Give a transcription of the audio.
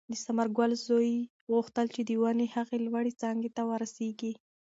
د ثمرګل زوی غوښتل چې د ونې هغې لوړې څانګې ته ورسېږي.